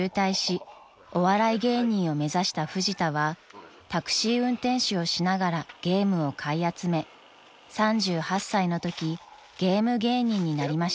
［フジタはタクシー運転手をしながらゲームを買い集め３８歳のときゲーム芸人になりました］